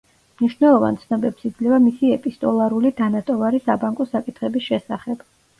მნიშვნელოვან ცნობებს იძლევა მისი ეპისტოლარული დანატოვარი საბანკო საკითხების შესახებ.